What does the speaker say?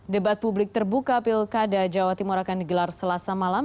debat publik terbuka pilkada jawa timur akan digelar selasa malam